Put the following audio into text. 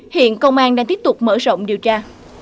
hiện công an đang tiếp tục mở rộng điều tra